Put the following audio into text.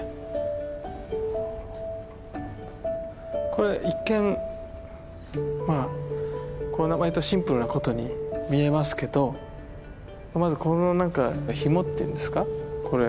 これ一見わりとシンプルな琴に見えますけどまずこの何か紐っていうんですかこれ。